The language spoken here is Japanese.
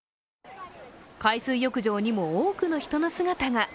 海水浴場にも多くの人の姿が。